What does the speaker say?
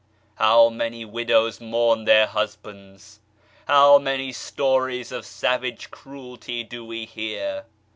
How many widows mourn their husbands, how many stories of savage cruelty do we hear